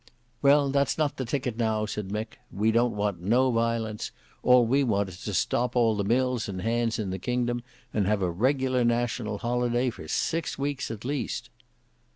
"Well that's not the ticket now," said Mick. "We don't want no violence; all we want is to stop all the mills and hands in the kingdom, and have a regular national holiday for six weeks at least."